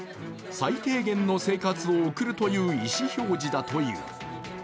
最低限の生活を送るという意思表示だという。